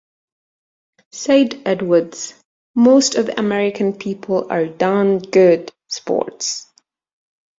Said Edwards, Most of the American people are darned good sports.